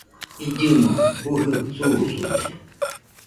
illɨmo jujɨ susude